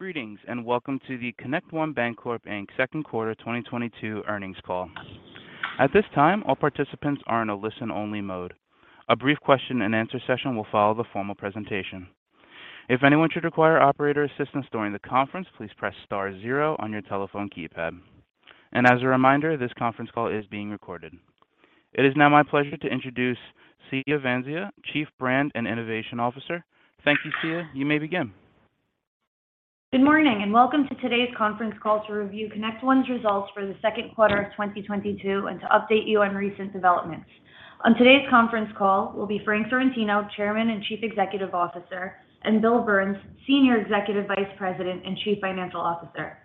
Greetings, and welcome to the ConnectOne Bancorp, Inc. second quarter 2022 earnings call. At this time, all participants are in a listen-only mode. A brief question and answer session will follow the formal presentation. If anyone should require operator assistance during the conference, please press star zero on your telephone keypad. As a reminder, this conference call is being recorded. It is now my pleasure to introduce Siya Vansia, Chief Brand and Innovation Officer. Thank you, Siya. You may begin. Good morning, and welcome to today's conference call to review ConnectOne's results for the second quarter of 2022 and to update you on recent developments. On today's conference call will be Frank Sorrentino, Chairman and Chief Executive Officer, and Bill Burns, Senior Executive Vice President and Chief Financial Officer.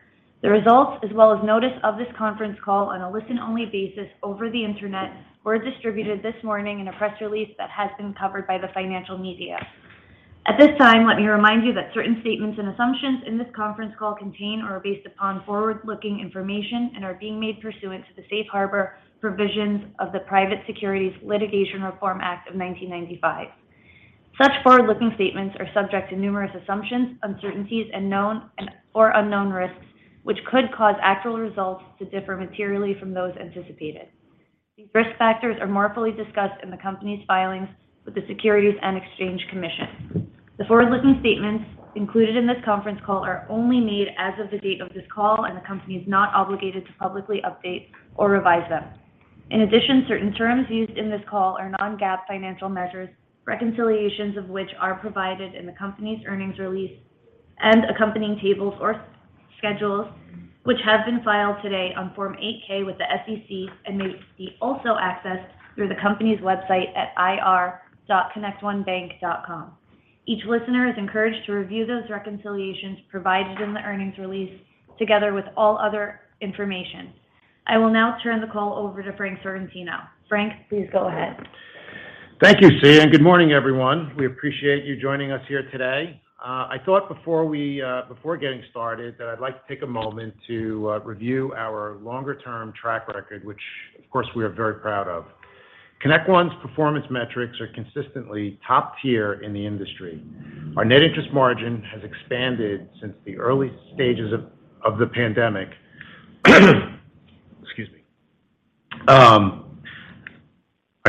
The results, as well as notice of this conference call on a listen-only basis over the Internet, were distributed this morning in a press release that has been covered by the financial media. At this time, let me remind you that certain statements and assumptions in this conference call contain or are based upon forward-looking information and are being made pursuant to the Safe Harbor provisions of the Private Securities Litigation Reform Act of 1995. Such forward-looking statements are subject to numerous assumptions, uncertainties and known or unknown risks, which could cause actual results to differ materially from those anticipated. These risk factors are more fully discussed in the company's filings with the Securities and Exchange Commission. The forward-looking statements included in this conference call are only made as of the date of this call, and the company is not obligated to publicly update or revise them. In addition, certain terms used in this call are non-GAAP financial measures, reconciliations of which are provided in the company's earnings release and accompanying tables or schedules, which have been filed today on Form 8-K with the SEC, and may be also accessed through the company's website at ir.connectonebank.com. Each listener is encouraged to review those reconciliations provided in the earnings release together with all other information. I will now turn the call over to Frank Sorrentino. Frank, please go ahead. Thank you, Siya, and good morning, everyone. We appreciate you joining us here today. I thought before getting started that I'd like to take a moment to review our longer-term track record, which of course we are very proud of. ConnectOne's performance metrics are consistently top tier in the industry. Our net interest margin has expanded since the early stages of the pandemic. Our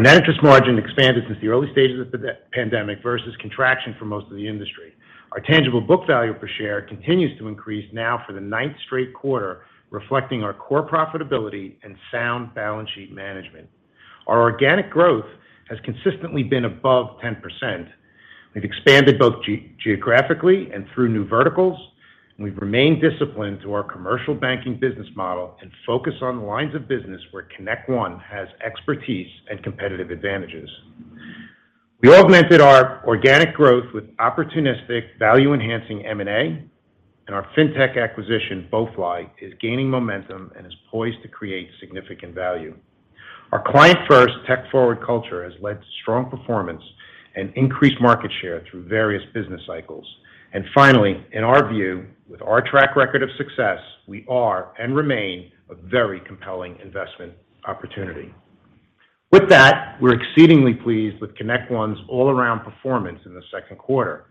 net interest margin expanded since the early stages of the pandemic versus contraction for most of the industry. Our tangible book value per share continues to increase now for the ninth straight quarter, reflecting our core profitability and sound balance sheet management. Our organic growth has consistently been above 10%. We've expanded both geographically and through new verticals. We've remained disciplined to our commercial banking business model and focus on lines of business where ConnectOne has expertise and competitive advantages. We augmented our organic growth with opportunistic value-enhancing M&A, and our fintech acquisition, BoeFly, is gaining momentum and is poised to create significant value. Our client first, tech forward culture has led to strong performance and increased market share through various business cycles. Finally, in our view, with our track record of success, we are and remain a very compelling investment opportunity. With that, we're exceedingly pleased with ConnectOne's all-around performance in the second quarter,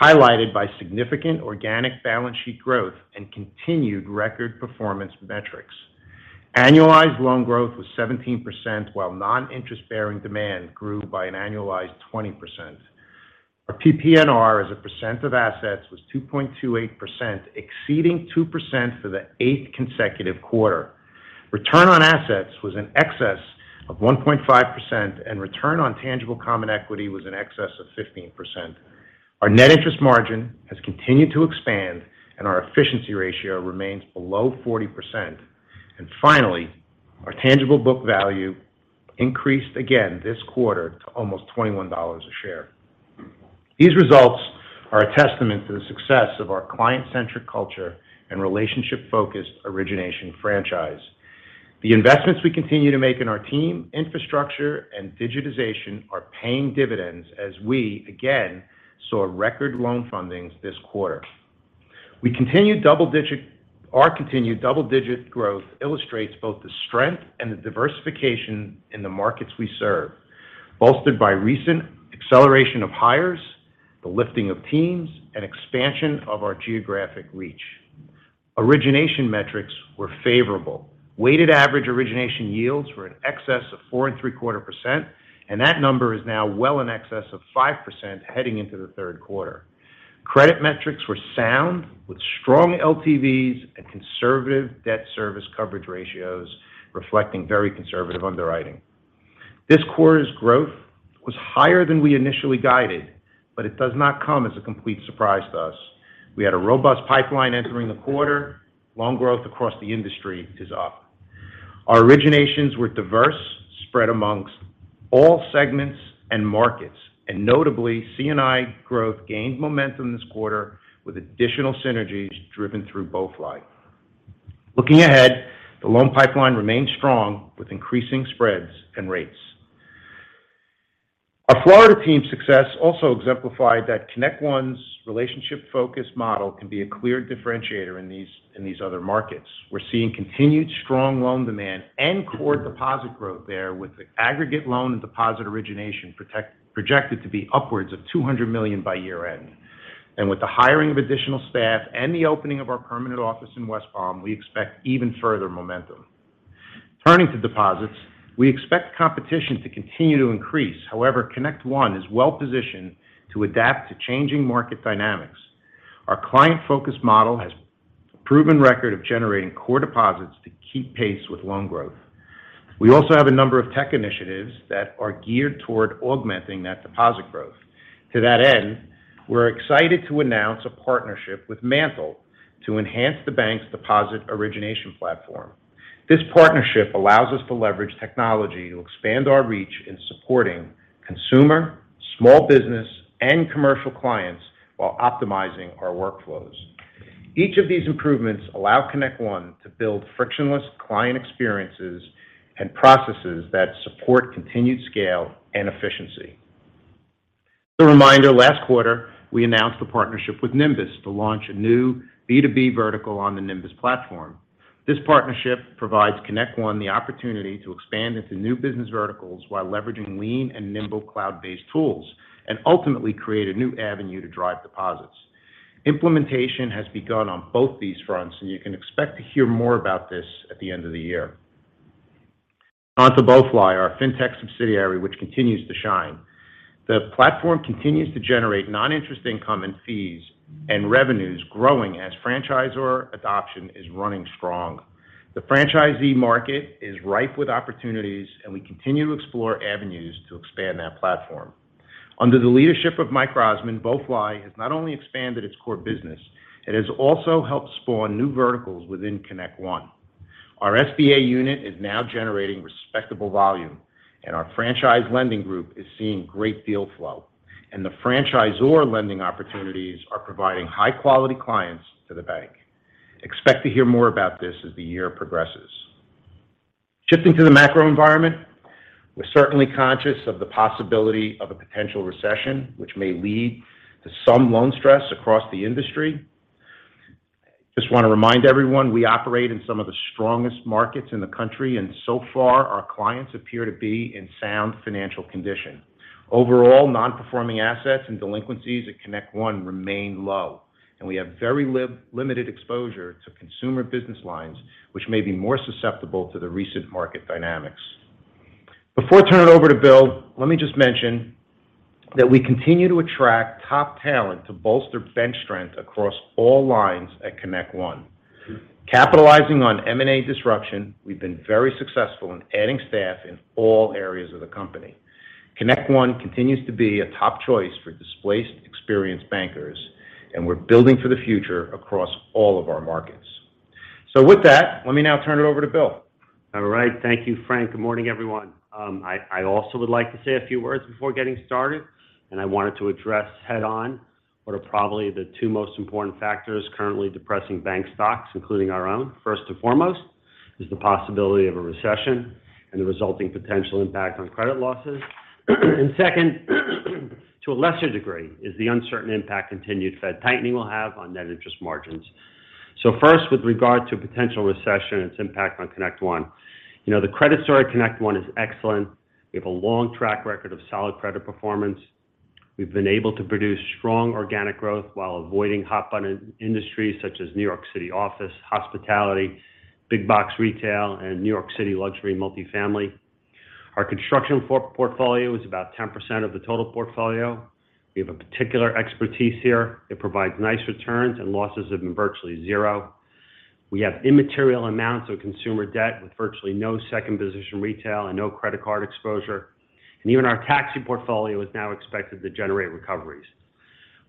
highlighted by significant organic balance sheet growth and continued record performance metrics. Annualized loan growth was 17%, while non-interest-bearing demand grew by an annualized 20%. Our PPNR as a percent of assets was 2.28%, exceeding 2% for the eighth consecutive quarter. Return on assets was in excess of 1.5%, and return on tangible common equity was in excess of 15%. Our net interest margin has continued to expand and our efficiency ratio remains below 40%. Finally, our tangible book value increased again this quarter to almost $21 a share. These results are a testament to the success of our client-centric culture and relationship-focused origination franchise. The investments we continue to make in our team, infrastructure, and digitization are paying dividends as we again saw record loan fundings this quarter. Our continued double-digit growth illustrates both the strength and the diversification in the markets we serve, bolstered by recent acceleration of hires, the lifting of teams, and expansion of our geographic reach. Origination metrics were favorable. Weighted average origination yields were in excess of 4.75%, and that number is now well in excess of 5% heading into the third quarter. Credit metrics were sound with strong LTVs and conservative debt service coverage ratios reflecting very conservative underwriting. This quarter's growth was higher than we initially guided, but it does not come as a complete surprise to us. We had a robust pipeline entering the quarter. Loan growth across the industry is up. Our originations were diverse, spread amongst all segments and markets, and notably, C&I growth gained momentum this quarter with additional synergies driven through BoeFly. Looking ahead, the loan pipeline remains strong with increasing spreads and rates. Our Florida team's success also exemplified that ConnectOne's relationship-focused model can be a clear differentiator in these other markets. We're seeing continued strong loan demand and core deposit growth there with the aggregate loan and deposit origination projected to be upwards of $200 million by year-end. With the hiring of additional staff and the opening of our permanent office in West Palm, we expect even further momentum. Turning to deposits. We expect competition to continue to increase. However, ConnectOne is well-positioned to adapt to changing market dynamics. Our client-focused model has a proven record of generating core deposits to keep pace with loan growth. We also have a number of tech initiatives that are geared toward augmenting that deposit growth. To that end, we're excited to announce a partnership with MANTL to enhance the bank's deposit origination platform. This partnership allows us to leverage technology to expand our reach in supporting consumer, small business, and commercial clients while optimizing our workflows. Each of these improvements allow ConnectOne to build frictionless client experiences and processes that support continued scale and efficiency. As a reminder, last quarter, we announced a partnership with Nymbus to launch a new B2B vertical on the Nymbus platform. This partnership provides ConnectOne the opportunity to expand into new business verticals while leveraging lean and nimble cloud-based tools, and ultimately create a new avenue to drive deposits. Implementation has begun on both these fronts, and you can expect to hear more about this at the end of the year. On to BoeFly, our fintech subsidiary, which continues to shine. The platform continues to generate non-interest income and fees, and revenues growing as franchisor adoption is running strong. The franchisee market is ripe with opportunities, and we continue to explore avenues to expand that platform. Under the leadership of Mike Rozman, BoeFly has not only expanded its core business, it has also helped spawn new verticals within ConnectOne. Our SBA unit is now generating respectable volume, and our franchise lending group is seeing great deal flow. The franchisor lending opportunities are providing high-quality clients to the bank. Expect to hear more about this as the year progresses. Shifting to the macro environment, we're certainly conscious of the possibility of a potential recession, which may lead to some loan stress across the industry. Just want to remind everyone, we operate in some of the strongest markets in the country, and so far, our clients appear to be in sound financial condition. Overall, non-performing assets and delinquencies at ConnectOne remain low, and we have very limited exposure to consumer business lines, which may be more susceptible to the recent market dynamics. Before turning it over to Bill, let me just mention that we continue to attract top talent to bolster bench strength across all lines at ConnectOne. Capitalizing on M&A disruption, we've been very successful in adding staff in all areas of the company. ConnectOne continues to be a top choice for displaced experienced bankers, and we're building for the future across all of our markets. With that, let me now turn it over to Bill. All right. Thank you, Frank. Good morning, everyone. I also would like to say a few words before getting started, and I wanted to address head-on what are probably the two most important factors currently depressing bank stocks, including our own. First and foremost, is the possibility of a recession and the resulting potential impact on credit losses. Second, to a lesser degree, is the uncertain impact continued Fed tightening will have on net interest margins. First, with regard to potential recession and its impact on ConnectOne. You know, the credit story at ConnectOne is excellent. We have a long track record of solid credit performance. We've been able to produce strong organic growth while avoiding hot button industries such as New York City office, hospitality, big box retail, and New York City luxury multifamily. Our construction portfolio is about 10% of the total portfolio. We have a particular expertise here. It provides nice returns and losses have been virtually zero. We have immaterial amounts of consumer debt with virtually no second position retail and no credit card exposure. Even our taxi portfolio is now expected to generate recoveries..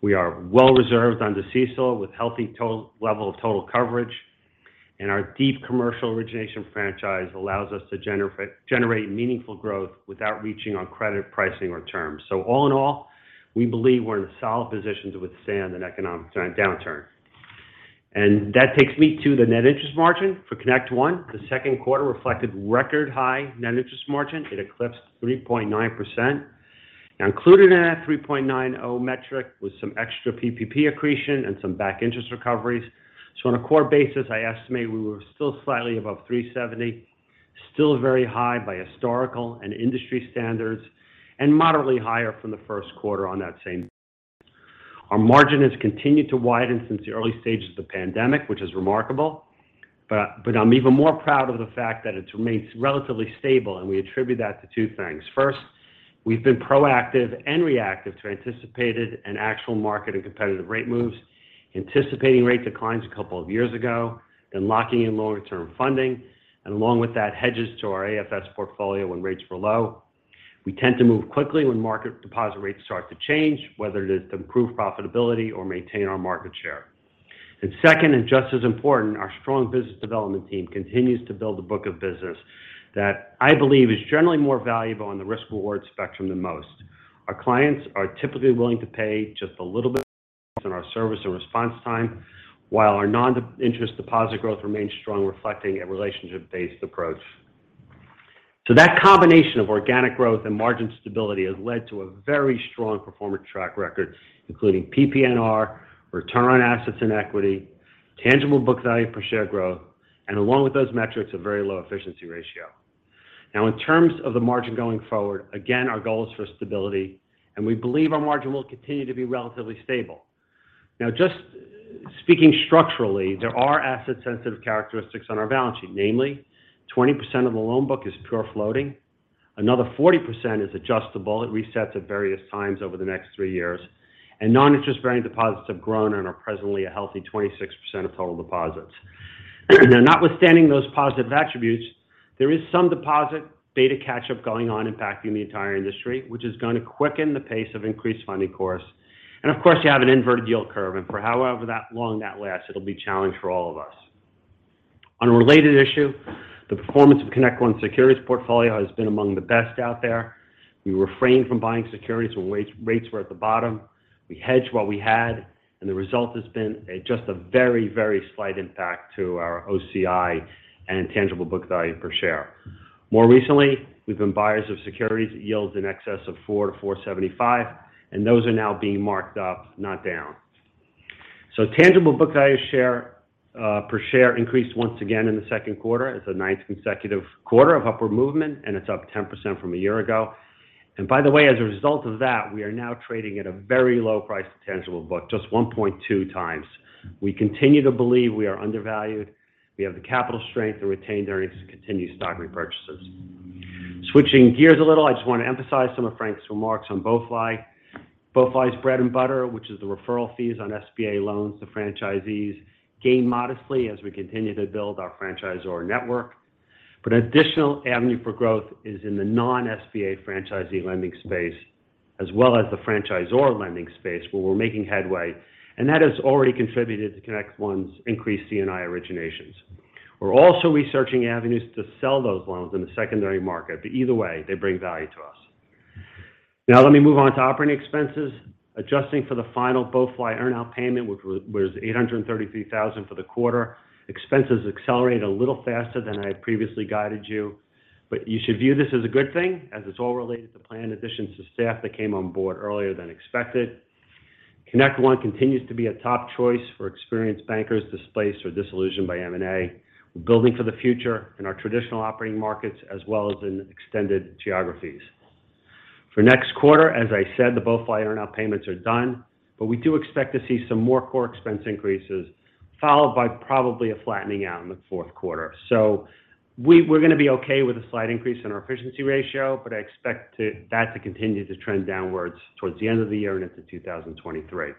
We are well reserved under CECL with healthy level of total coverage, and our deep commercial origination franchise allows us to generate meaningful growth without reaching on credit pricing or terms. All in all, we believe we're in a solid position to withstand an economic downturn. That takes me to the net interest margin for ConnectOne. The second quarter reflected record high net interest margin. It eclipsed 3.9%. Now included in that 3.90% was some extra PPP accretion and some back interest recoveries. On a core basis, I estimate we were still slightly above 3.70%, still very high by historical and industry standards, and moderately higher from the first quarter on that same. Our margin has continued to widen since the early stages of the pandemic, which is remarkable. I'm even more proud of the fact that it remains relatively stable, and we attribute that to two things. First, we've been proactive and reactive to anticipated and actual market and competitive rate moves. Anticipating rate declines a couple of years ago, then locking in longer-term funding, and along with that, hedges to our AFS portfolio when rates were low. We tend to move quickly when market deposit rates start to change, whether it is to improve profitability or maintain our market share. Second, and just as important, our strong business development team continues to build a book of business that I believe is generally more valuable on the risk-reward spectrum than most. Our clients are typically willing to pay just a little bit on our service and response time, while our non-interest deposit growth remains strong, reflecting a relationship-based approach. That combination of organic growth and margin stability has led to a very strong performance track record, including PPNR, return on assets and equity, tangible book value per share growth, and along with those metrics, a very low efficiency ratio. Now, in terms of the margin going forward, again, our goal is for stability, and we believe our margin will continue to be relatively stable. Now, just speaking structurally, there are asset-sensitive characteristics on our balance sheet. Namely, 20% of the loan book is pure floating. Another 40% is adjustable. It resets at various times over the next three years. Non-interest bearing deposits have grown and are presently a healthy 26% of total deposits. Now, notwithstanding those positive attributes, there is some deposit beta catch-up going on impacting the entire industry, which is going to quicken the pace of increased funding costs. Of course, you have an inverted yield curve, and for however long that lasts, it'll be a challenge for all of us. On a related issue, the performance of ConnectOne's securities portfolio has been among the best out there. We refrained from buying securities when rates were at the bottom. We hedged what we had, and the result has been just a very, very slight impact to our OCI and tangible book value per share. More recently, we've been buyers of securities at yields in excess of 4%-4.75%, and those are now being marked up, not down. Tangible book value per share increased once again in the second quarter. It's the ninth consecutive quarter of upward movement, and it's up 10% from a year ago. By the way, as a result of that, we are now trading at a very low price to tangible book, just 1.2x. We continue to believe we are undervalued. We have the capital strength to retain earnings to continue stock repurchases. Switching gears a little, I just want to emphasize some of Frank's remarks on BoeFly. BoeFly's bread and butter, which is the referral fees on SBA loans to franchisees gained modestly as we continue to build our franchisor network. An additional avenue for growth is in the non-SBA franchisee lending space, as well as the franchisor lending space, where we're making headway, and that has already contributed to ConnectOne's increased C&I originations. We're also researching avenues to sell those loans in the secondary market. Either way, they bring value to us. Now let me move on to operating expenses. Adjusting for the final BoeFly earn-out payment, which was $833,000 for the quarter, expenses accelerated a little faster than I had previously guided you. You should view this as a good thing, as it's all related to planned additions to staff that came on board earlier than expected. ConnectOne continues to be a top choice for experienced bankers displaced or disillusioned by M&A. We're building for the future in our traditional operating markets as well as in extended geographies. For next quarter, as I said, the BoeFly earn-out payments are done, but we do expect to see some more core expense increases, followed by probably a flattening out in the fourth quarter. We're gonna be okay with a slight increase in our efficiency ratio, but I expect that to continue to trend downwards towards the end of the year and into 2023.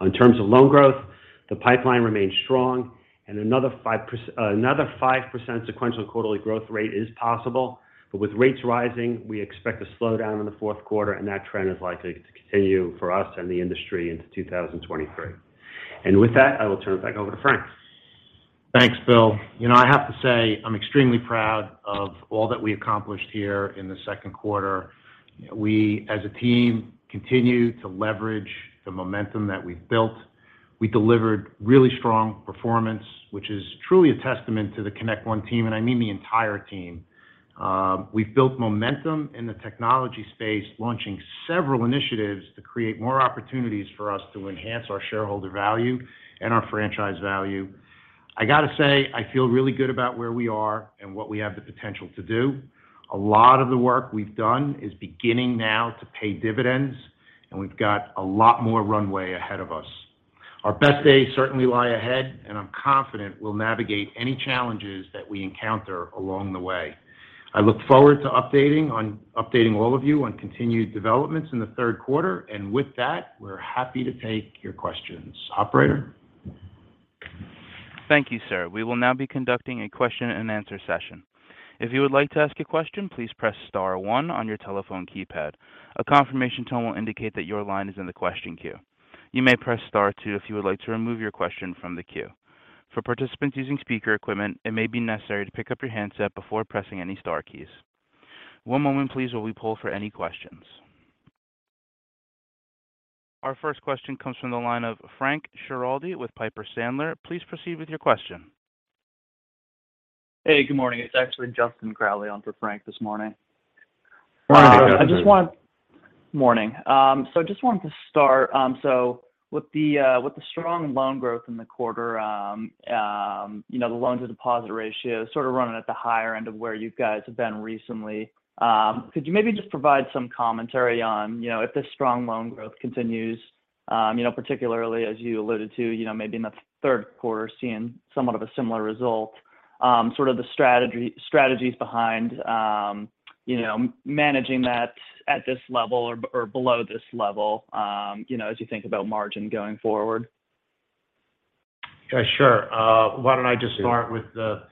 In terms of loan growth, the pipeline remains strong and another 5% sequential quarterly growth rate is possible. With rates rising, we expect a slowdown in the fourth quarter, and that trend is likely to continue for us and the industry into 2023. With that, I will turn it back over to Frank. Thanks, Bill. You know, I have to say, I'm extremely proud of all that we accomplished here in the second quarter. We, as a team, continued to leverage the momentum that we've built. We delivered really strong performance, which is truly a testament to the ConnectOne team, and I mean the entire team. We've built momentum in the technology space, launching several initiatives to create more opportunities for us to enhance our shareholder value and our franchise value. I got to say, I feel really good about where we are and what we have the potential to do. A lot of the work we've done is beginning now to pay dividends, and we've got a lot more runway ahead of us. Our best days certainly lie ahead, and I'm confident we'll navigate any challenges that we encounter along the way. I look forward to updating all of you on continued developments in the third quarter. With that, we're happy to take your questions. Operator? Thank you, sir. We will now be conducting a question-and-answer session. If you would like to ask a question, please press star one on your telephone keypad. A confirmation tone will indicate that your line is in the question queue. You may press star two if you would like to remove your question from the queue. For participants using speaker equipment, it may be necessary to pick up your handset before pressing any star keys. One moment, please, while we poll for any questions. Our first question comes from the line of Frank Schiraldi with Piper Sandler. Please proceed with your question. Hey, good morning. It's actually Justin Crowley on for Frank this morning. Morning. Morning. I just wanted to start. With the strong loan growth in the quarter, you know, the loan to deposit ratio sort of running at the higher end of where you guys have been recently. Could you maybe just provide some commentary on, you know, if this strong loan growth continues, you know, particularly as you alluded to, you know, maybe in the third quarter seeing somewhat of a similar result, sort of the strategies behind, you know, managing that at this level or below this level, you know, as you think about margin going forward? Yeah, sure. Why don't I just start with the,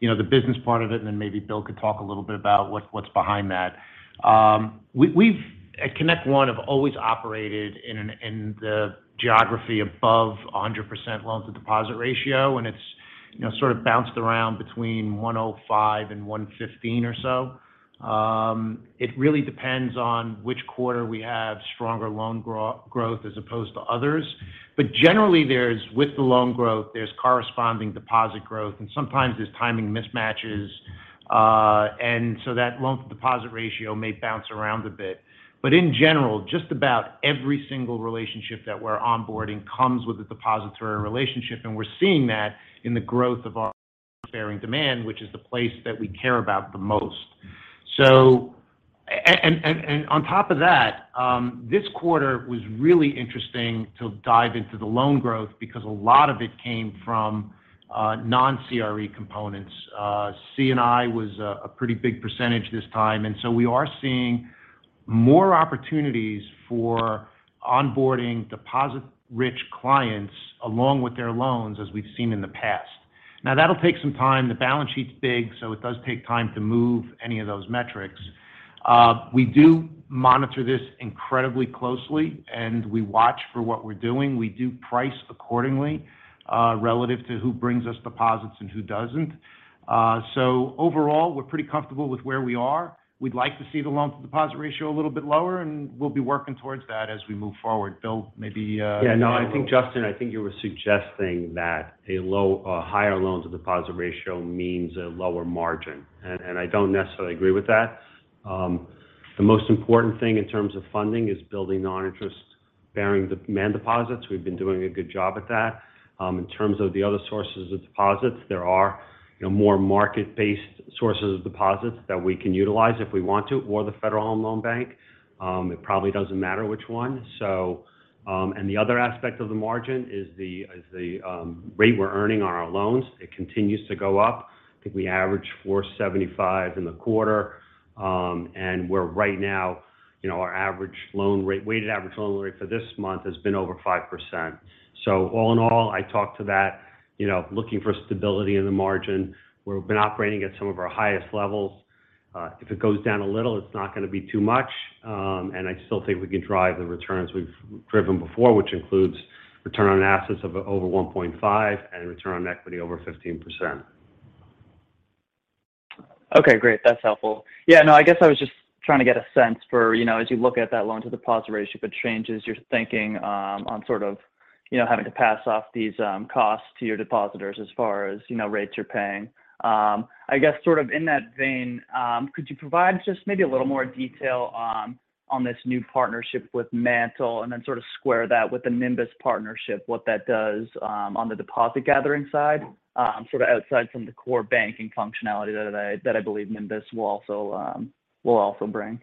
you know, the business part of it, and then maybe Bill could talk a little bit about what's behind that. At ConnectOne have always operated in the geography above 100% loan-to-deposit ratio, and it's, you know, sort of bounced around between 105%-115% or so. It really depends on which quarter we have stronger loan growth as opposed to others. Generally, with the loan growth, there's corresponding deposit growth, and sometimes there's timing mismatches. That loan-to-deposit ratio may bounce around a bit. In general, just about every single relationship that we're onboarding comes with a depository relationship, and we're seeing that in the growth of our non-interest bearing demand, which is the place that we care about the most. On top of that, this quarter was really interesting to dive into the loan growth because a lot of it came from non-CRE components. C&I was a pretty big percentage this time. We are seeing more opportunities for onboarding deposit-rich clients along with their loans as we've seen in the past. Now, that'll take some time. The balance sheet's big, so it does take time to move any of those metrics. We do monitor this incredibly closely, and we watch for what we're doing. We do price accordingly, relative to who brings us deposits and who doesn't. Overall, we're pretty comfortable with where we are. We'd like to see the loan-to-deposit ratio a little bit lower, and we'll be working towards that as we move forward. Bill, maybe you want to. Yeah, no, I think, Justin, you were suggesting that a low or higher loan-to-deposit ratio means a lower margin. And I don't necessarily agree with that. The most important thing in terms of funding is building non-interest-bearing demand deposits. We've been doing a good job at that. In terms of the other sources of deposits, there are, you know, more market-based sources of deposits that we can utilize if we want to, or the Federal Home Loan Bank. It probably doesn't matter which one. The other aspect of the margin is the rate we're earning on our loans. It continues to go up. I think we averaged 4.75 in the quarter, and we're right now, you know, our average loan rate, weighted average loan rate for this month has been over 5%. All in all, I talk to that, you know, looking for stability in the margin, where we've been operating at some of our highest levels. If it goes down a little, it's not going to be too much. I still think we can drive the returns we've driven before, which includes return on assets of over 1.5 and return on equity over 15%. Okay, great. That's helpful. Yeah, no, I guess I was just trying to get a sense for, you know, as you look at that loan-to-deposit ratio, if it changes your thinking, on sort of, you know, having to pass off these costs to your depositors as far as, you know, rates you're paying. I guess sort of in that vein, could you provide just maybe a little more detail on this new partnership with MANTL and then sort of square that with the Nymbus partnership, what that does, on the deposit gathering side, sort of outside from the core banking functionality that I believe Nymbus will also bring?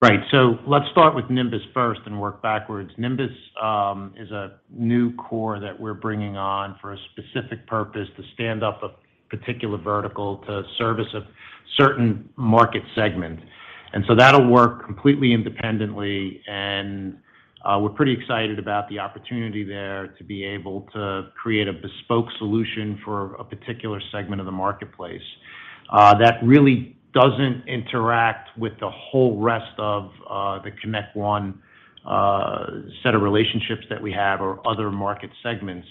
Right. Let's start with Nymbus first and work backwards. Nymbus is a new core that we're bringing on for a specific purpose to stand up a particular vertical to service a certain market segment. That'll work completely independently, and we're pretty excited about the opportunity there to be able to create a bespoke solution for a particular segment of the marketplace. That really doesn't interact with the whole rest of the ConnectOne set of relationships that we have or other market segments.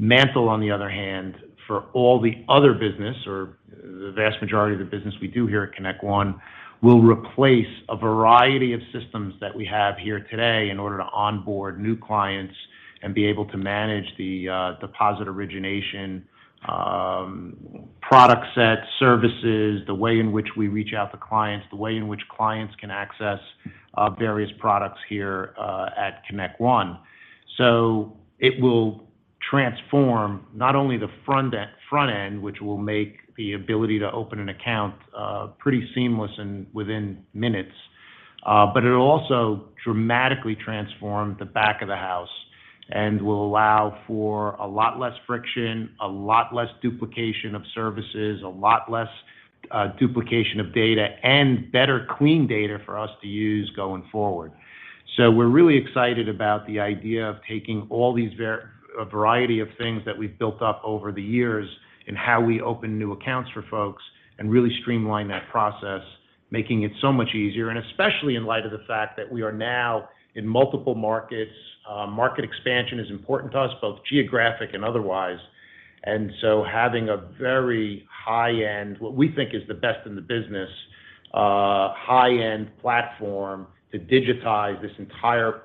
MANTL, on the other hand, for all the other business or the vast majority of the business we do here at ConnectOne, will replace a variety of systems that we have here today in order to onboard new clients and be able to manage the deposit origination, product set, services, the way in which we reach out to clients, the way in which clients can access various products here at ConnectOne. It will transform not only the front end, which will make the ability to open an account pretty seamless and within minutes, but it'll also dramatically transform the back of the house and will allow for a lot less friction, a lot less duplication of services, a lot less duplication of data, and better clean data for us to use going forward. We're really excited about the idea of taking all these a variety of things that we've built up over the years in how we open new accounts for folks and really streamline that process, making it so much easier, and especially in light of the fact that we are now in multiple markets. Market expansion is important to us, both geographic and otherwise. Having a very high-end, what we think is the best in the business, high-end platform to digitize this entire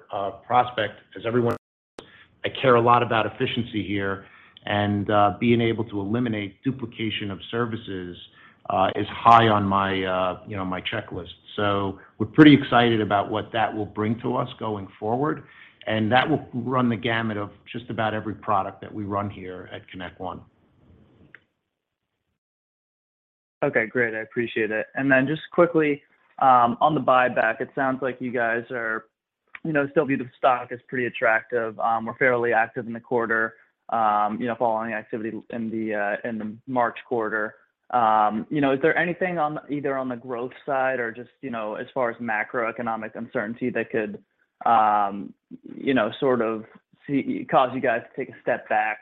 process. As everyone knows, I care a lot about efficiency here, and being able to eliminate duplication of services is high on my, you know, my checklist. We're pretty excited about what that will bring to us going forward, and that will run the gamut of just about every product that we run here at ConnectOne. Okay, great. I appreciate it. Just quickly, on the buyback, it sounds like you guys are, you know, still view the stock as pretty attractive. You were fairly active in the quarter, you know, following the activity in the March quarter. You know, is there anything either on the growth side or just, you know, as far as macroeconomic uncertainty that could, you know, sort of cause you guys to take a step back,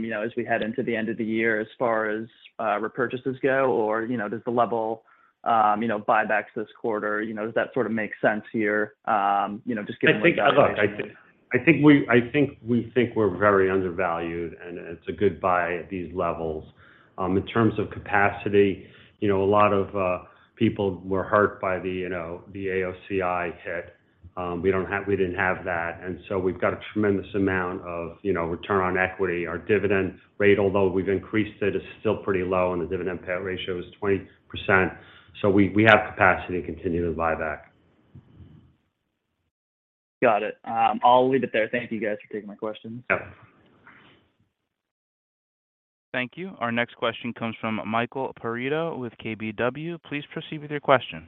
you know, as we head into the end of the year as far as repurchases go? Or, you know, does the level, you know, buybacks this quarter, you know, does that sort of make sense here, you know, just given the information? Look, I think we think we're very undervalued, and it's a good buy at these levels. In terms of capacity, you know, a lot of people were hurt by the, you know, the AOCI hit. We didn't have that. We've got a tremendous amount of, you know, return on equity. Our dividend rate, although we've increased it, is still pretty low, and the dividend payout ratio is 20%. We have capacity to continue to buy back. Got it. I'll leave it there. Thank you guys for taking my questions. Yep. Thank you. Our next question comes from Michael Perito with KBW. Please proceed with your question.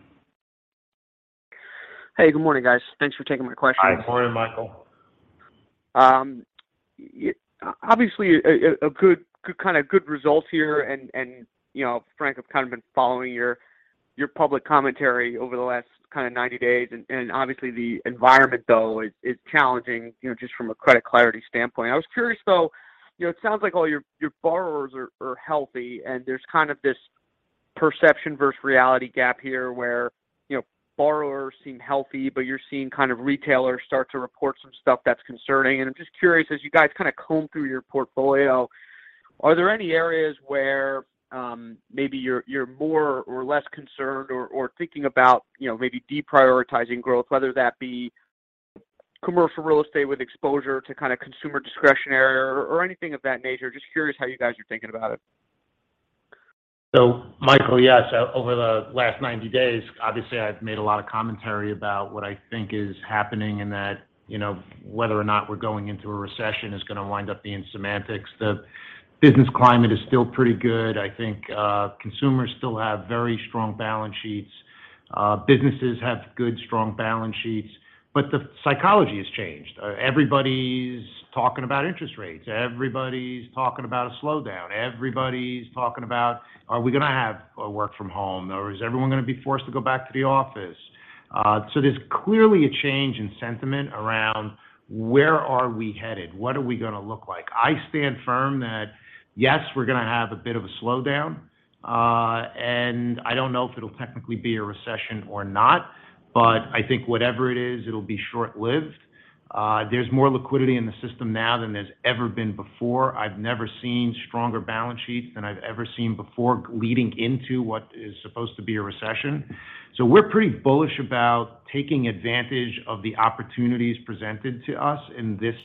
Hey, good morning, guys. Thanks for taking my questions. Hi. Good morning, Michael. Obviously a good kind of good results here and, you know, Frank, I've kind of been following your public commentary over the last kind of 90 days and obviously the environment though is challenging, you know, just from a credit clarity standpoint. I was curious though, you know, it sounds like all your borrowers are healthy, and there's kind of this perception versus reality gap here where, you know, borrowers seem healthy, but you're seeing kind of retailers start to report some stuff that's concerning. I'm just curious, as you guys kind of comb through your portfolio, are there any areas where maybe you're more or less concerned or thinking about, you know, maybe deprioritizing growth, whether that be commercial real estate with exposure to kind of consumer discretionary or anything of that nature? Just curious how you guys are thinking about it. Michael, yes, over the last 90 days, obviously I've made a lot of commentary about what I think is happening in that, you know, whether or not we're going into a recession is gonna wind up being semantics. The business climate is still pretty good. I think, consumers still have very strong balance sheets. Businesses have good, strong balance sheets, but the psychology has changed. Everybody's talking about interest rates. Everybody's talking about a slowdown. Everybody's talking about are we gonna have a work from home, or is everyone gonna be forced to go back to the office? There's clearly a change in sentiment around where are we headed? What are we gonna look like? I stand firm that, yes, we're gonna have a bit of a slowdown, and I don't know if it'll technically be a recession or not, but I think whatever it is, it'll be short-lived. There's more liquidity in the system now than there's ever been before. I've never seen stronger balance sheets than I've ever seen before leading into what is supposed to be a recession. We're pretty bullish about taking advantage of the opportunities presented to us in this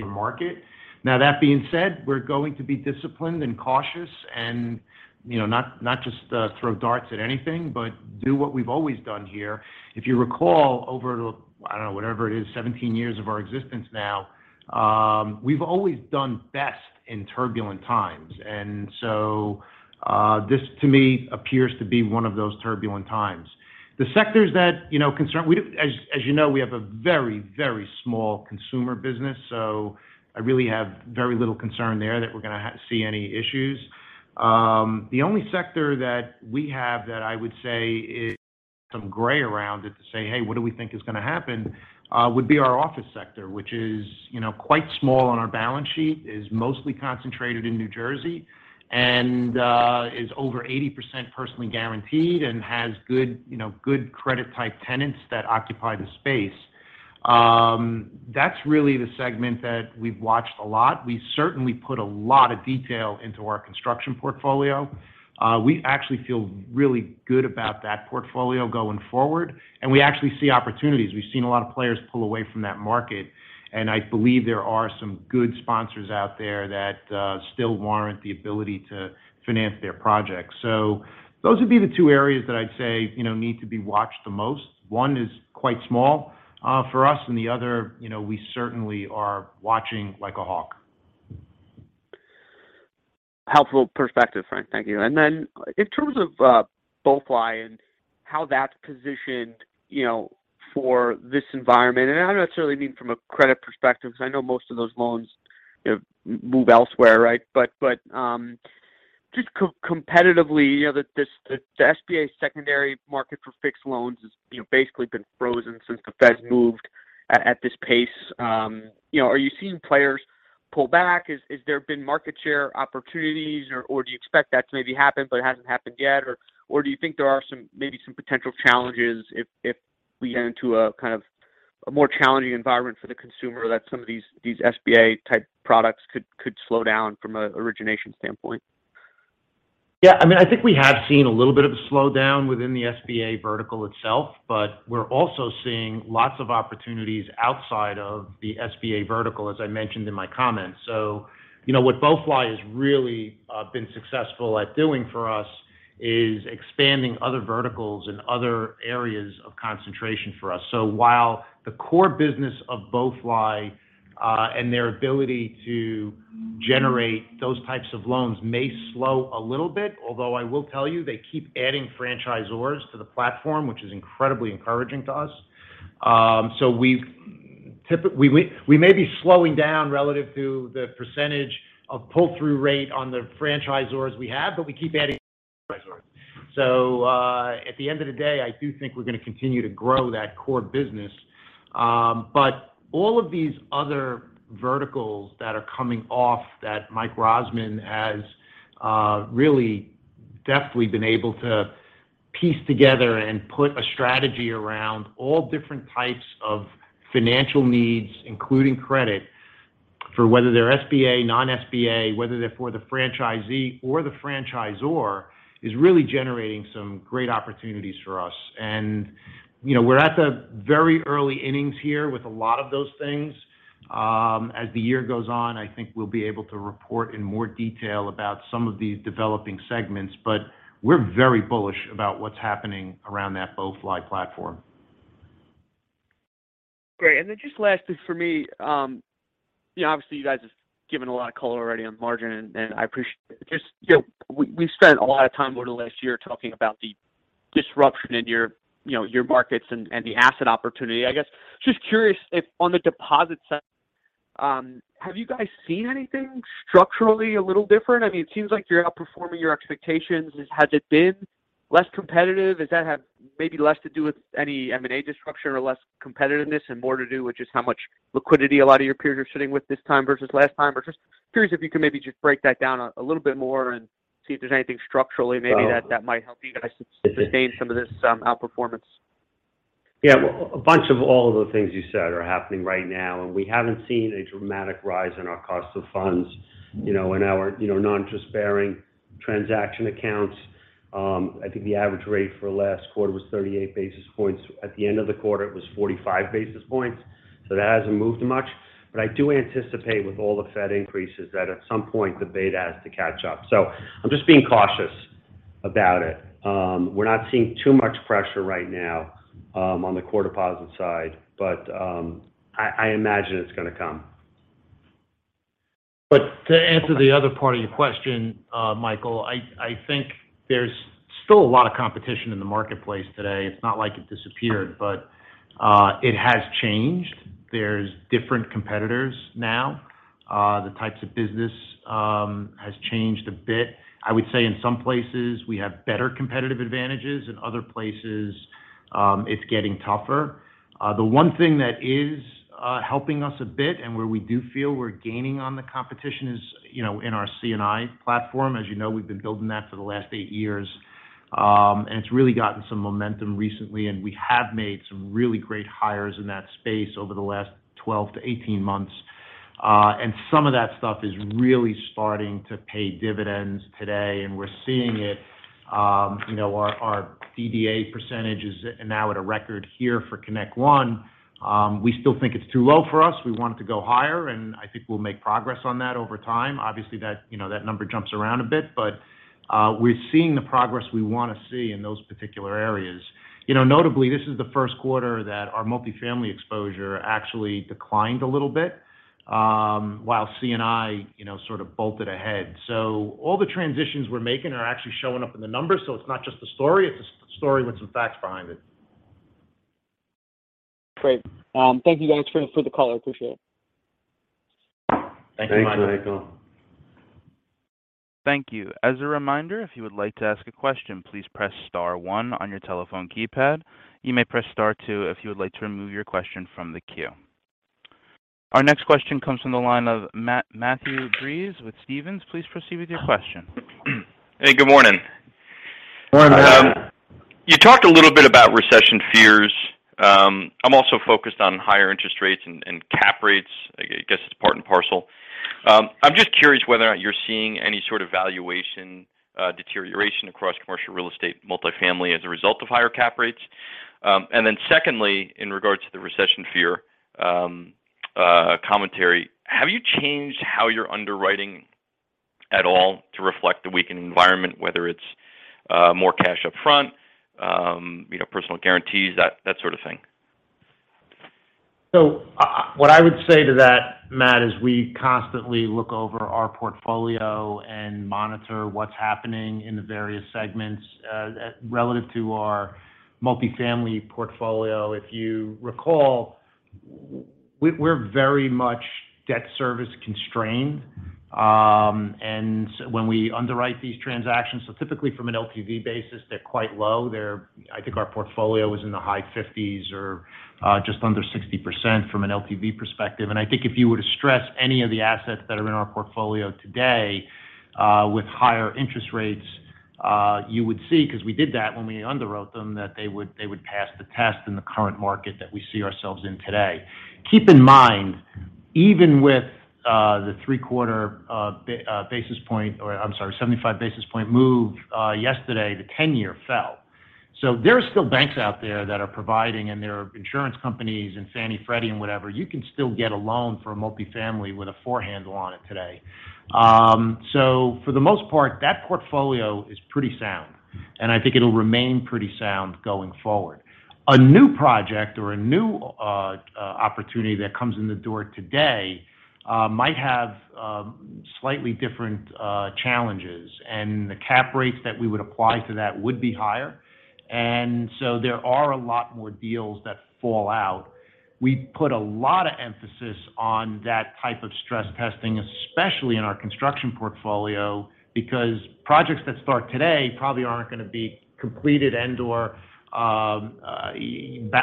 market. Now that being said, we're going to be disciplined and cautious and, you know, not just throw darts at anything, but do what we've always done here. If you recall, over the, I don't know, whatever it is, 17 years of our existence now, we've always done best in turbulent times. This to me appears to be one of those turbulent times. The sectors that, you know, as you know, we have a very, very small consumer business, so I really have very little concern there that we're gonna see any issues. The only sector that we have that I would say some gray around it to say, "Hey, what do we think is gonna happen?" would be our office sector, which is, you know, quite small on our balance sheet, is mostly concentrated in New Jersey, and is over 80% personally guaranteed and has good, you know, good credit type tenants that occupy the space. That's really the segment that we've watched a lot. We've certainly put a lot of detail into our construction portfolio. We actually feel really good about that portfolio going forward, and we actually see opportunities. We've seen a lot of players pull away from that market, and I believe there are some good sponsors out there that still warrant the ability to finance their projects. Those would be the two areas that I'd say, you know, need to be watched the most. One is quite small for us, and the other, you know, we certainly are watching like a hawk. Helpful perspective, Frank. Thank you. In terms of BoeFly and how that's positioned, you know, for this environment, and I don't necessarily mean from a credit perspective, because I know most of those loans, you know, move elsewhere, right? But just competitively, you know, the SBA secondary market for fixed loans has, you know, basically been frozen since the Fed moved at this pace. You know, are you seeing players pull back? Has there been market share opportunities or do you expect that to maybe happen, but it hasn't happened yet? Or do you think there are some, maybe some potential challenges if we get into a kind of a more challenging environment for the consumer that some of these SBA-type products could slow down from a origination standpoint? Yeah. I mean, I think we have seen a little bit of a slowdown within the SBA vertical itself, but we're also seeing lots of opportunities outside of the SBA vertical, as I mentioned in my comments. You know, what BoeFly has really been successful at doing for us is expanding other verticals and other areas of concentration for us. While the core business of BoeFly and their ability to generate those types of loans may slow a little bit, although I will tell you, they keep adding franchisors to the platform, which is incredibly encouraging to us. We may be slowing down relative to the percentage of pull-through rate on the franchisors we have, but we keep adding franchisors. At the end of the day, I do think we're gonna continue to grow that core business. All of these other verticals that are coming off that Mike Rozman has really deftly been able to piece together and put a strategy around all different types of financial needs, including credit for whether they're SBA, non-SBA, whether they're for the franchisee or the franchisor, is really generating some great opportunities for us. You know, we're at the very early innings here with a lot of those things. As the year goes on, I think we'll be able to report in more detail about some of these developing segments, but we're very bullish about what's happening around that BoeFly platform. Great. Just lastly for me, you know, obviously you guys have given a lot of color already on margin, and I appreciate it. Just, you know, we've spent a lot of time over the last year talking about the disruption in your, you know, your markets and the asset opportunity. I guess, just curious if on the deposit side, have you guys seen anything structurally a little different? I mean, it seems like you're outperforming your expectations. Has it been less competitive? Does that have maybe less to do with any M&A disruption or less competitiveness and more to do with just how much liquidity a lot of your peers are sitting with this time versus last time? Just curious if you could maybe just break that down a little bit more and see if there's anything structurally maybe that might help you guys sustain some of this outperformance? Yeah. A bunch of all of the things you said are happening right now, and we haven't seen a dramatic rise in our cost of funds, you know, in our, you know, non-interest-bearing transaction accounts. I think the average rate for last quarter was 38 basis points. At the end of the quarter, it was 45 basis points. That hasn't moved much. I do anticipate with all the Fed increases that at some point the beta has to catch up. I'm just being cautious about it. We're not seeing too much pressure right now on the core deposit side, but I imagine it's gonna come. To answer the other part of your question, Michael, I think there's still a lot of competition in the marketplace today. It's not like it disappeared, but it has changed. There's different competitors now. The types of business has changed a bit. I would say in some places we have better competitive advantages. In other places, it's getting tougher. The one thing that is helping us a bit and where we do feel we're gaining on the competition is, you know, in our C&I platform. As you know, we've been building that for the last eight years, and it's really gotten some momentum recently, and we have made some really great hires in that space over the last 12-18 months. Some of that stuff is really starting to pay dividends today, and we're seeing it. You know, our DDA percentage is now at a record here for ConnectOne. We still think it's too low for us. We want it to go higher, and I think we'll make progress on that over time. Obviously, that, you know, that number jumps around a bit. We're seeing the progress we wanna see in those particular areas. You know, notably, this is the first quarter that our multifamily exposure actually declined a little bit, while C&I, you know, sort of bolted ahead. All the transitions we're making are actually showing up in the numbers. It's not just a story, it's a story with some facts behind it. Great. Thank you guys for the color. Appreciate it. Thank you, Michael. Thank you. As a reminder, if you would like to ask a question, please press star one on your telephone keypad. You may press star two if you would like to remove your question from the queue. Our next question comes from the line of Matthew Breese with Stephens. Please proceed with your question. Hey, good morning. Morning, Matt. You talked a little bit about recession fears. I'm also focused on higher interest rates and cap rates. I guess it's part and parcel. I'm just curious whether or not you're seeing any sort of valuation deterioration across commercial real estate multifamily as a result of higher cap rates. Then secondly, in regards to the recession fear commentary, have you changed how you're underwriting at all to reflect the weakening environment, whether it's more cash up front, you know, personal guarantees, that sort of thing? What I would say to that, Matt, is we constantly look over our portfolio and monitor what's happening in the various segments relative to our multifamily portfolio. If you recall, we're very much debt service constrained. When we underwrite these transactions, typically from an LTV basis, they're quite low. They're. I think our portfolio is in the high 50s or just under 60% from an LTV perspective. I think if you were to stress any of the assets that are in our portfolio today with higher interest rates, you would see, because we did that when we underwrote them, that they would pass the test in the current market that we see ourselves in today. Keep in mind, even with the 75-basis point move yesterday, the 10-year fell. There are still banks out there that are providing and there are insurance companies and Fannie Mae, Freddie Mac and whatever. You can still get a loan for a multifamily with a 4 handle on it today. For the most part, that portfolio is pretty sound, and I think it'll remain pretty sound going forward. A new project or a new opportunity that comes in the door today might have slightly different challenges, and the cap rates that we would apply to that would be higher. There are a lot more deals that fall out. We put a lot of emphasis on that type of stress testing, especially in our construction portfolio, because projects that start today probably aren't gonna be completed and/or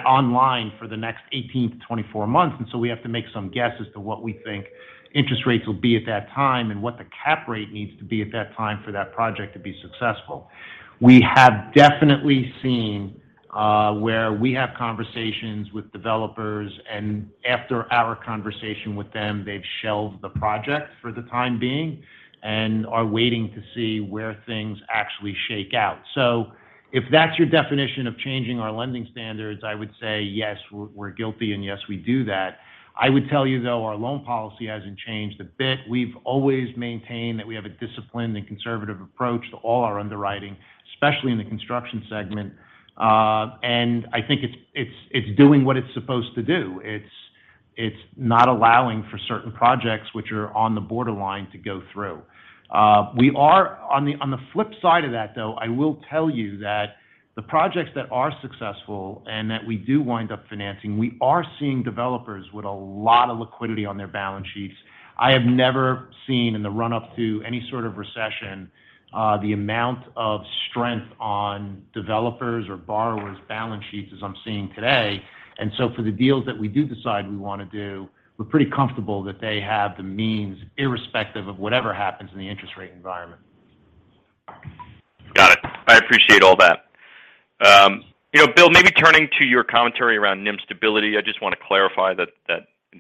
online for the next 18-24 months. We have to make some guess as to what we think interest rates will be at that time and what the cap rate needs to be at that time for that project to be successful. We have definitely seen where we have conversations with developers, and after our conversation with them, they've shelved the project for the time being and are waiting to see where things actually shake out. If that's your definition of changing our lending standards, I would say yes, we're guilty and yes, we do that. I would tell you though, our loan policy hasn't changed a bit. We've always maintained that we have a disciplined and conservative approach to all our underwriting, especially in the construction segment. I think it's doing what it's supposed to do. It's not allowing for certain projects which are on the borderline to go through. On the flip side of that, though, I will tell you that the projects that are successful and that we do wind up financing, we are seeing developers with a lot of liquidity on their balance sheets. I have never seen in the run-up to any sort of recession the amount of strength on developers or borrowers' balance sheets as I'm seeing today. For the deals that we do decide we wanna do, we're pretty comfortable that they have the means, irrespective of whatever happens in the interest rate environment. Got it. I appreciate all that. You know, Bill, maybe turning to your commentary around NIM stability. I just wanna clarify that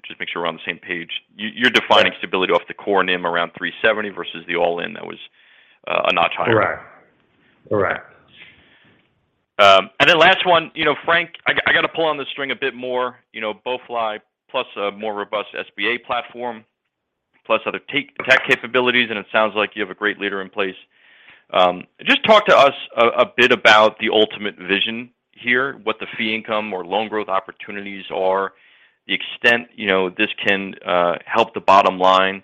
just make sure we're on the same page. You're defining stability off the core NIM around 3.70% versus the all-in that was a notch higher. Correct. Correct. Last one. You know, Frank, I gotta pull on the string a bit more. You know, BoeFly plus a more robust SBA platform plus other tech capabilities, and it sounds like you have a great leader in place. Just talk to us a bit about the ultimate vision here, what the fee income or loan growth opportunities are, the extent, you know, this can help the bottom line.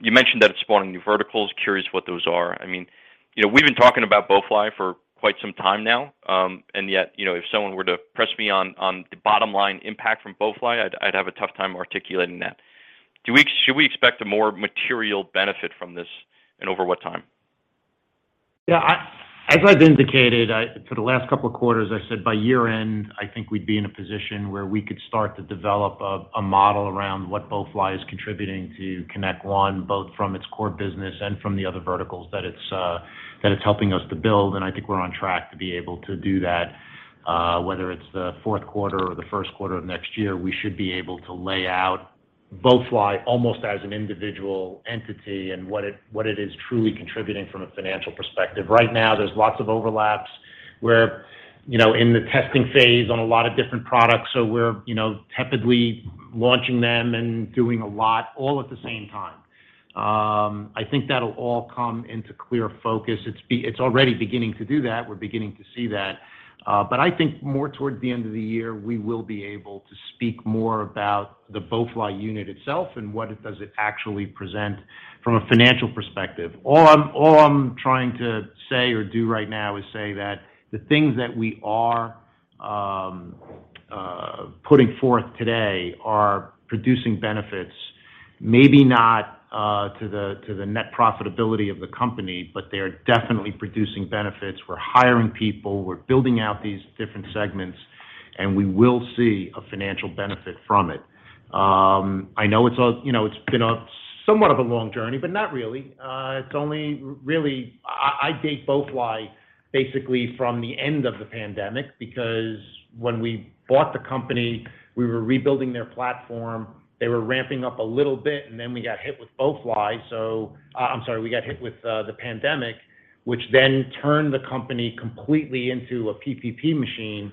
You mentioned that it's spawning new verticals. Curious what those are. I mean, you know, we've been talking about BoeFly for quite some time now. Yet, you know, if someone were to press me on the bottom line impact from BoeFly, I'd have a tough time articulating that. Should we expect a more material benefit from this and over what time? Yeah, as I've indicated, for the last couple of quarters, I said by year-end, I think we'd be in a position where we could start to develop a model around what BoeFly is contributing to ConnectOne, both from its core business and from the other verticals that it's helping us to build. I think we're on track to be able to do that, whether it's the fourth quarter or the first quarter of next year, we should be able to lay out BoeFly almost as an individual entity and what it is truly contributing from a financial perspective. Right now, there's lots of overlaps. We're, you know, in the testing phase on a lot of different products, so we're, you know, tepidly launching them and doing a lot all at the same time. I think that'll all come into clear focus. It's already beginning to do that. We're beginning to see that. I think more towards the end of the year, we will be able to speak more about the BoeFly unit itself and what does it actually present from a financial perspective. All I'm trying to say or do right now is say that the things that we are putting forth today are producing benefits, maybe not to the net profitability of the company, but they are definitely producing benefits. We're hiring people, we're building out these different segments, and we will see a financial benefit from it. I know you know, it's been somewhat of a long journey, but not really. It's only really. I date BoeFly basically from the end of the pandemic because when we bought the company, we were rebuilding their platform. They were ramping up a little bit, and then we got hit with the pandemic, which then turned the company completely into a PPP machine.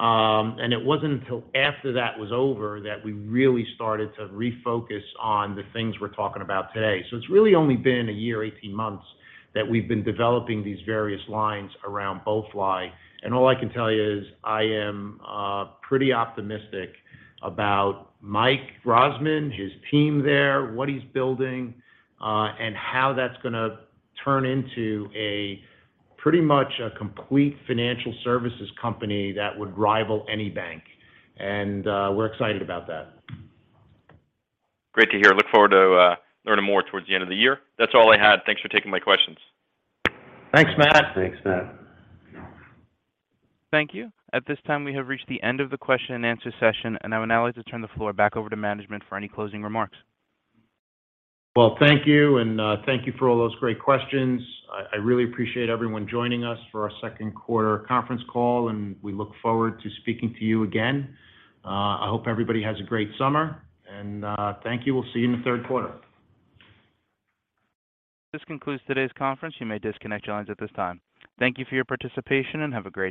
It wasn't until after that was over that we really started to refocus on the things we're talking about today. It's really only been a year, 18 months that we've been developing these various lines around BoeFly. All I can tell you is I am pretty optimistic about Mike Rozman, his team there, what he's building, and how that's gonna turn into a pretty much complete financial services company that would rival any bank. We're excited about that. Great to hear. Look forward to learning more towards the end of the year. That's all I had. Thanks for taking my questions. Thanks, Matt. Thanks, Matt. Thank you. At this time, we have reached the end of the question and answer session, and I would now like to turn the floor back over to management for any closing remarks. Well, thank you, and thank you for all those great questions. I really appreciate everyone joining us for our second quarter conference call, and we look forward to speaking to you again. I hope everybody has a great summer. Thank you. We'll see you in the third quarter. This concludes today's conference. You may disconnect your lines at this time. Thank you for your participation and have a great day.